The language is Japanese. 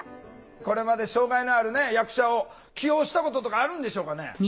これまで障害のある役者を起用したこととかあるんでしょうかね？